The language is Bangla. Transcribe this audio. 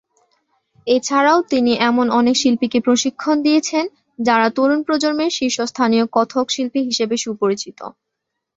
এছাড়াও তিনি এমন অনেক শিল্পীকে প্রশিক্ষণ দিয়েছেন যাঁরা তরুণ প্রজন্মের শীর্ষস্থানীয় কত্থক শিল্পী হিসেবে সুপরিচিত।